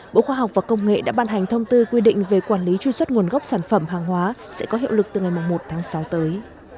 bộ khoa học và công nghệ đã ban hành thông tư quy định về quản lý truy xuất nguồn gốc sản phẩm hàng hóa sẽ có hiệu lực từ ngày một tháng sáu tới